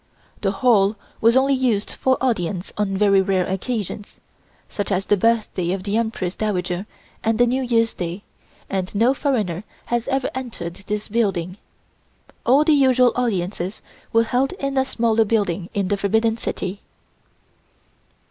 The Hall was only used for audience on very rare occasions, such as the birthday of the Empress Dowager and New Year's Day, and no foreigner has ever entered this building. All the usual audiences were held in a smaller building in the Forbidden City.